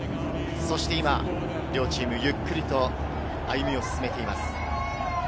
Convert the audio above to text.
そして今、両チーム、ゆっくりと歩みを進めています。